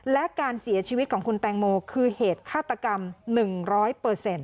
และการเสียชีวิตของคุณแตงโมคือเหตุฆาตกรรม๑๐๐เปอร์เซ็นต์